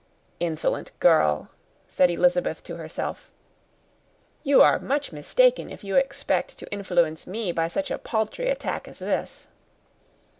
"Insolent girl!" said Elizabeth to herself. "You are much mistaken if you expect to influence me by such a paltry attack as this.